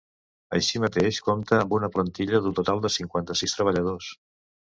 Així mateix, compta amb una plantilla d’un total de cinquanta-sis treballadors.